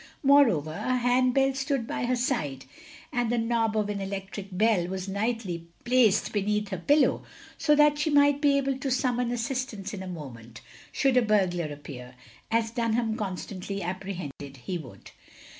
Moreover a hand bell stood by her side, and the knob of an electric bell was nightly placed beneath her pillow, so that she might be able to stmimon assistance in a moment, should a burglar appear, as Dunham constantly apprehended he would.